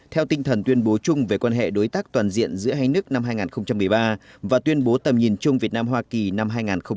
theo tinh thần tuyên bố chung về quan hệ đối tác toàn diện giữa hai nước năm hai nghìn một mươi ba và tuyên bố tầm nhìn chung việt nam hoa kỳ năm hai nghìn một mươi chín